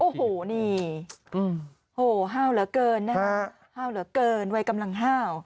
ห้าวเหลือเกินนะครับห้าวเหลือเกินไว้กำลังห้าว